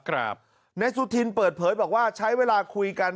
ครับแนซุทินเปิดเผยบอกว่าใช้เวลาคุยกัน